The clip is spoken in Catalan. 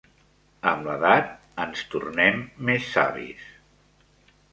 Amb l'edat ens tornem més savis.